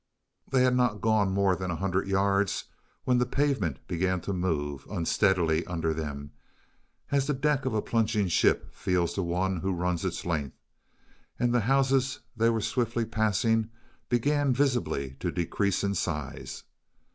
They had not gone more than a hundred yards when the pavement began to move unsteadily under them, as the deck of a plunging ship feels to one who runs its length, and the houses they were swiftly passing began visibly to decrease in size.